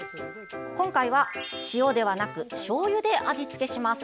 今回は、塩ではなくしょうゆで味付けします。